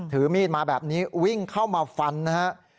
ถือมีดมาแบบนี้วิ่งเข้ามาฟันนะฮะ